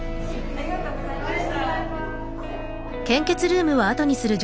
ありがとうございます。